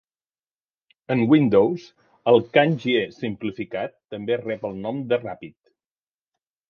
En Windows, el cangjie simplificat també rep el nom de "Ràpid".